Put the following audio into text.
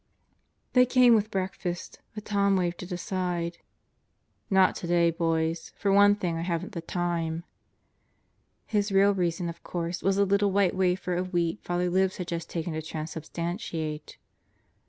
They came with breakfast, but Tom waved it aside. "Not today, boys. For one thing, I haven't the time." His real reason, of Last Day on Earth 195 course, was the little wliite wafer of wheat Father Libs had just taken to transubstantiate.